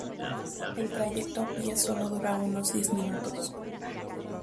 El trayecto a pie solo dura unos diez minutos.